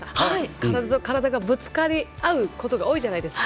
体と体がぶつかり合うことが多いじゃないですか。